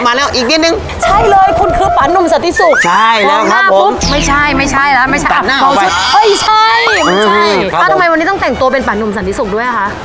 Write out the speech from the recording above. อ้ะทำไมวันนี้ต้องแต่งตัว